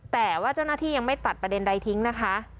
แต่ว่าเจ้าหน้าที่ยังไม่ตัดประเด็นใดทิ้งนะคะ